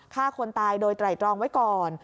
ฆ่าคนตายโดยไตรตรองไว้ก่อน